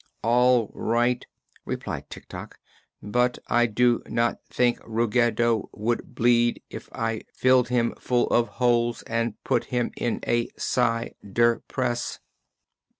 "All right," replied Tik Tok; "but I do not think Rug ge do would bleed if I filled him full of holes and put him in a ci der press."